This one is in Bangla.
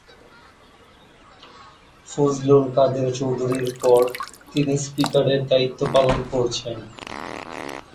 ফজলুল কাদের চৌধুরীর পর তিনি স্পিকারের দায়িত্ব পালন করেছেন।